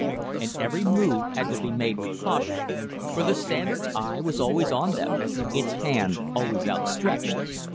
And every move had to be made with caution, for the Standard's eye was always on them, its hand always out stretched.